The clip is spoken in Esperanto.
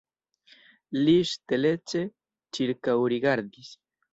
Li ŝtelece ĉirkaŭrigardis.